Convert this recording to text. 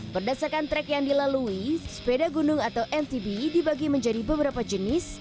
berdasarkan track yang dilalui sepeda gunung atau mtb dibagi menjadi beberapa jenis